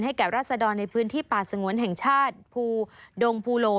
แก่ราศดรในพื้นที่ป่าสงวนแห่งชาติภูดงภูโล